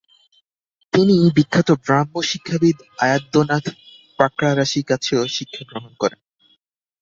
তিনি বিখ্যাত ব্রাহ্ম শিক্ষাবিদ আয়াধ্যনাথ পাকড়ারাশি কাছেও শিক্ষা গ্রহণ করেন।